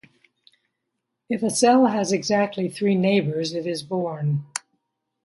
If a cell has exactly three neighbours, it is born.